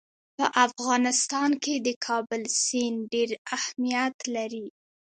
په افغانستان کې د کابل سیند ډېر اهمیت لري.